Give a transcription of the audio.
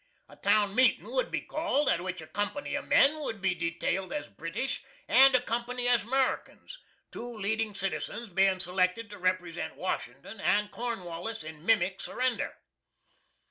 A town meeting would be called, at which a company of men would be detailed as British, and a company as Americans two leading citizens being selected to represent Washington and Cornwallis in mimic surrender.